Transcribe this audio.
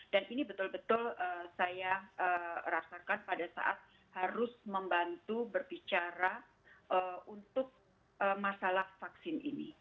dan ini betul betul saya rasakan pada saat harus membantu berbicara untuk masalah vaksin ini